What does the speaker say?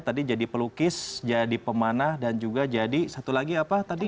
tadi jadi pelukis jadi pemanah dan juga jadi satu lagi apa tadi